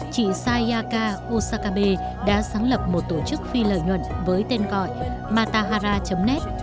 chị sayaka osakabe đã sáng lập một tổ chức phi lợi nhuận với tên gọi matahara net